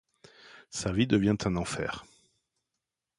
Sa vie devient un enfer.